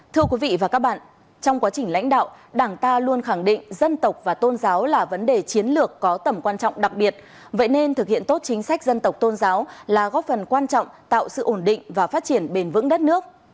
thưa quý vị và các bạn trong quá trình lãnh đạo đảng ta luôn khẳng định dân tộc và tôn giáo là vấn đề chiến lược có tầm quan trọng đặc biệt vậy nên thực hiện tốt chính sách dân tộc tôn giáo là góp phần quan trọng tạo sự ổn định và phát triển bền vững đất nước